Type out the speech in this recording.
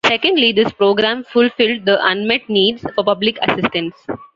Secondly this program fulfilled the "unmet needs" for public assistance.